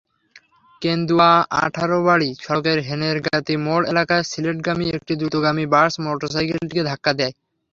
কেন্দুয়া-আঠারোবাড়ি সড়কের হেনেরগাতি মোড় এলাকায় সিলেটগামী একটি দ্রুতগামী বাস মোটরসাইকেলটিকে ধাক্কা দেয়।